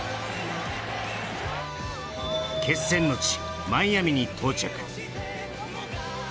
決戦の地・マイアミに到着。